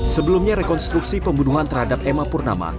sebelumnya rekonstruksi pembunuhan terhadap emma purnama